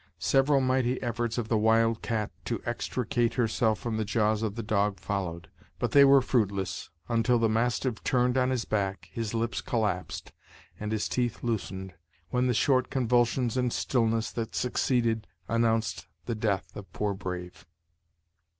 Several mighty efforts of the wild cat to extricate herself from the jaws of the dog followed, but they were fruitless, until the mastiff turned on his back, his lips collapsed, and his teeth loosened, when the short convulsions and stillness that succeeded announced the death of poor Brave.